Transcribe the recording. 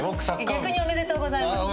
逆におめでとうございます。